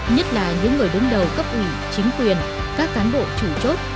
nhất là những người đứng đầu cấp ủy chính quyền các cán bộ chủ chốt